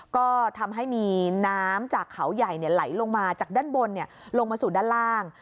ก็ทำให้มีน้ำจากเขาใหญ่ไหลลงมาจากด้านบนลงมาสู่ด้านล่าง